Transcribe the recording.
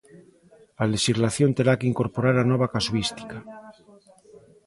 A lexislación terá que incorporar a nova casuística.